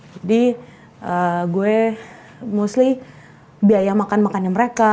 jadi gue mostly biaya makan makannya mereka